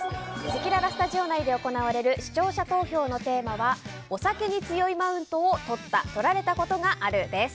せきららスタジオ内で行われる視聴者投票のテーマはお酒に強いマウントをとった・とられたことがあるです。